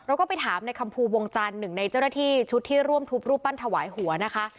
เราก็ไปถามในคำภูวงจันทร์หนึ่งในเจ้าหน้าที่ชุดที่ร่วมทุบรูปปั้นถวายหัวนะคะ